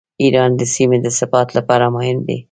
ایران د سیمې د ثبات لپاره مهم دی.